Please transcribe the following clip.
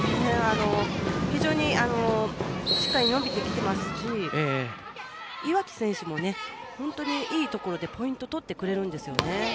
非常にしっかり伸びてきてますし岩城選手も本当にいいところでポイントを取ってくれるんですよね。